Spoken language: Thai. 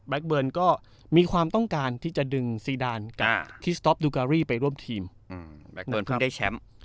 แบล็กเบิร์นก็มีความต้องการที่จะดึงซีดานกับไปร่วมทีมแบล็กเบิร์นเพิ่งได้แชมป์